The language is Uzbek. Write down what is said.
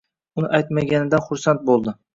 Uni aytmaganidan xursand bo‘ldi.